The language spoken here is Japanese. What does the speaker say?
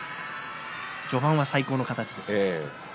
序盤は最高の形ですね。